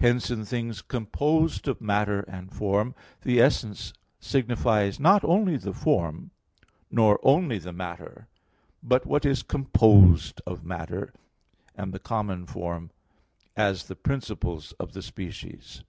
Hence in things composed of matter and form, the essence signifies not only the form, nor only the matter, but what is composed of matter and the common form, as the principles of the species.